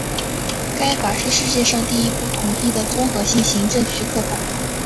该法是世界上第一部统一的综合性行政许可法。